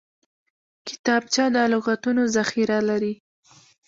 کتابچه د لغتونو ذخیره لري